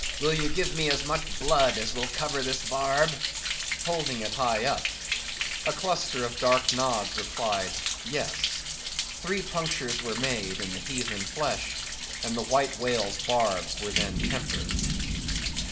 Will ye give me as much blood as will cover this barb?" holding it high up. A cluster of dark nods replied, Yes. Three punctures were made in the heathen flesh, and the White Whale's barbs were then tempered.